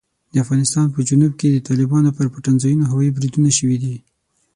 د افغانستان په جنوب کې د طالبانو پر پټنځایونو هوايي بریدونه شوي دي.